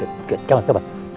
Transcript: bagus baik baik